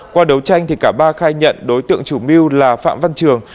qua đấu tranh cả ba khai nhận đối tượng chủ mưu là phạm văn trường